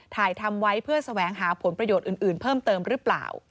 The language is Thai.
ถ่ายทำไว้เพื่อแสวงหาผลประโยชน์อื่นเพิ่มเติมหรือเปล่า